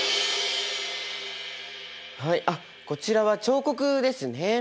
はいあっこちらは彫刻ですね。